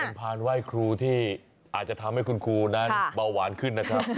เป็นพานไหว้ครูที่อาจจะทำให้คุณครูนั้นเบาหวานขึ้นนะครับ